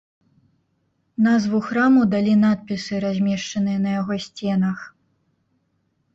Назву храму далі надпісы, размешчаныя на яго сценах.